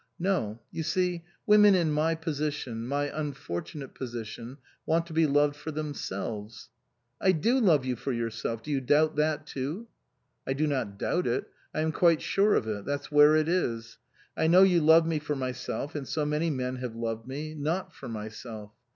"No. You see, women in my position, my unfortunate position, want to be loved for them selves." " I do love you for yourself. Do you doubt that too ?"" I do not doubt it. I am quite sure of it. That's where it is. I know you love me for my self, and so many men have loved me not for myself.